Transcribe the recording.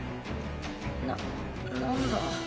な何だ？